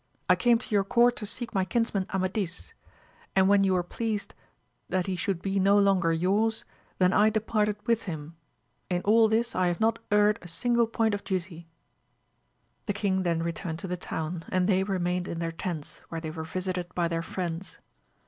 I came to your court to seek my kinsman Amadis, and when you were pleased 134 AMADIS OF GAUL that he should be no longer yours, then I departed with him ; in all this I ^have not erred a single l)oint of duty. The king then returned to the town, and they remained in their tents where they were visited by their friends.